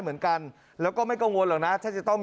เขาต่อยหรือเขาใช้ปืน